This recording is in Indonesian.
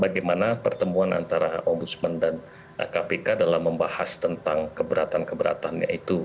bagaimana pertemuan antara ombudsman dan kpk dalam membahas tentang keberatan keberatannya itu